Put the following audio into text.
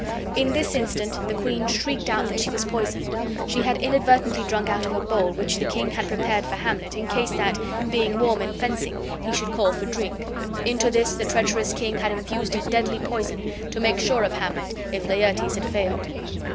In this instant the queen shrieked out that she was poisoned. She had inadvertently drunk out of a bowl which the king had prepared for Hamlet, in case that, being warm in fencing, he should call for drink; into this the treacherous king had infused a deadly poison, to make sure of Hamlet, if Laertes had failed.